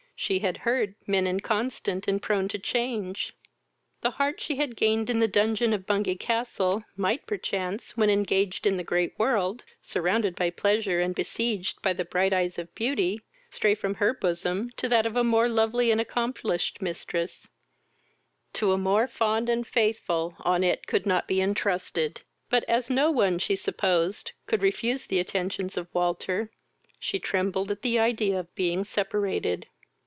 She had heard men inconstant and prone to change. The heart she had gained in the dungeon of Bungay castle might perchance, when engaged in the great world, surrounded by pleasure, and besieged by the bright eyes of beauty, stray from her bosom to that of a more lovely and accomplished mistress; to a more fond and faithful on it could not be entrusted; but, as no one, she supposed, could refuse the attentions of Walter, she trembled at the idea of being separated.